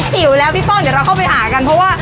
หิวแล้วพี่ฟ้องเดี๋ยวเราเข้าไปหากันเพราะว่า